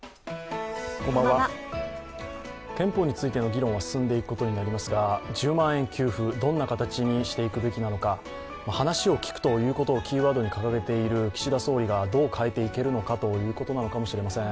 憲法についての議論は進んでいくことになりますが１０万円給付、どんな形にしていくべきなのか、話を聞くということをキーワードに掲げている岸田総理がどう変えていけるのかということなのかもしれません。